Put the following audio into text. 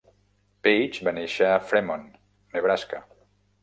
Page va néixer a Fremont, Nebraska.